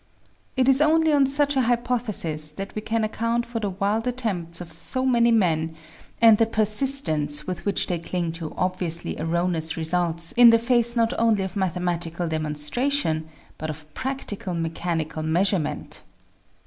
It is only on such an hypothesis that we can account for the wild attempts of so many men, and the persistence with which they cling to obviously erroneous results in the face not only of mathematical demonstration, but of prac tical mechanical measurements.